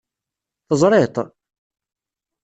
Teẓṛiḍ-t?